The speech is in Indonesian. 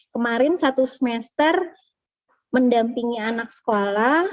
kemarin satu semester mendampingi anak sekolah